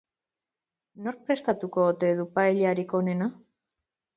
Nork prestatuko ote du paellarik onena?